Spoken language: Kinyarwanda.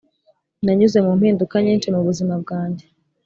nanyuze mu mpinduka nyinshi mubuzima bwanjye